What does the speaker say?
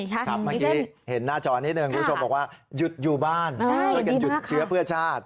เมื่อกี้เห็นหน้าจอนิดนึงคุณผู้ชมบอกว่าหยุดอยู่บ้านช่วยกันหยุดเชื้อเพื่อชาติ